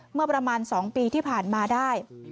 เมื่อประมาณ๒ปีที่ผ่านมาได้